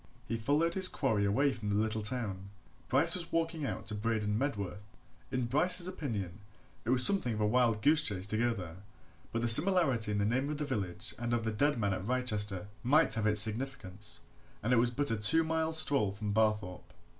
He followed his quarry away from the little town: Bryce was walking out to Braden Medworth. In Bryce's opinion, it was something of a wild goose chase to go there, but the similarity in the name of the village and of the dead man at Wrychester might have its significance, and it was but a two miles' stroll from Barthorpe.